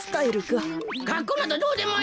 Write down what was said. かっこうなどどうでもいい。